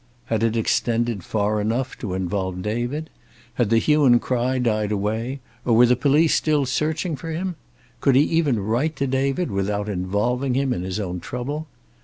Had it extended far enough to involve David? Had the hue and cry died away, or were the police still searching for him? Could he even write to David, without involving him in his own trouble?